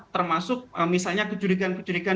termasuk misalnya kejurikan kejurikan